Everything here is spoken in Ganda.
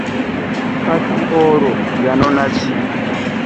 Kati olwo yanona ki?